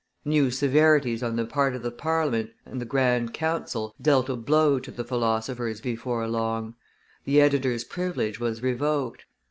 New severities on the part of the Parliament and the grand council dealt a blow to the philosophers before long: the editors' privilege was revoked.